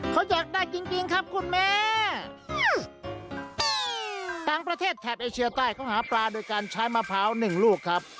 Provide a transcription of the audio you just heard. เขาอยากได้จริงจริงครับคุณแม่ต่างประเทศแถบเอเชียใต้เขาหาปลาโดยการใช้มะพร้าวหนึ่งลูกครับ